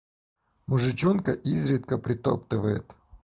Мужичонка изредка притоптывает.